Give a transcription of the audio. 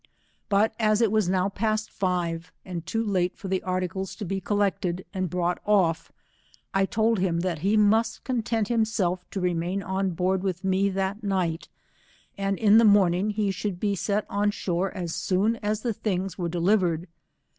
But as it was now past five, and too late for the articles to be collected, and brought off, I told him that he must content himself to renialD on board with me that night, and in the morning he should be set on shore as soon as the things were delivered.